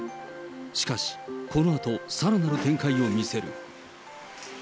しかし、このあとさらなる展開を見せる。